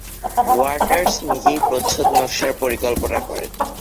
Waters নিজেই প্রচ্ছদ নকশার পরিকল্পনা করেন।